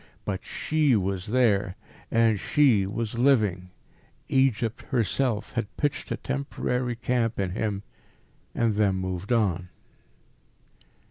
But She was there, and She was living. Egypt herself had pitched a temporary camp in him, and then moved on.